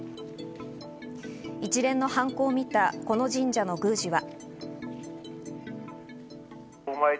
一連の犯行を見た、この神社の宮司は。